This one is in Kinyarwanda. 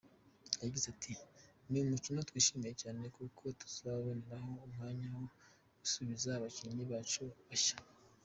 Yagize ati “Ni umukino twishimiye cyane kuko tuzaboneraho umwanya wo gusuzuma abakinnyi bacu bashya.